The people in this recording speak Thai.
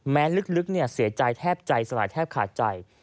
ลึกเสียใจแทบใจสลายแทบขาดใจ